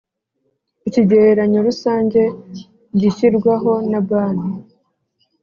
ikigereranyo rusange gishyirwaho na Banki